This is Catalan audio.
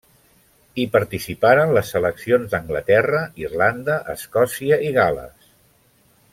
Hi participaren les seleccions d'Anglaterra, Irlanda, Escòcia i Gal·les.